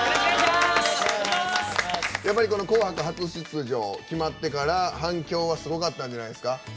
やっぱり「紅白」初出場決まってから反響はすごかったんじゃないですか？